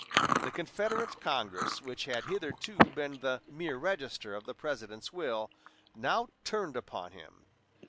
The Confederate Congress, which had hitherto been the mere register of the President's will, now turned upon him.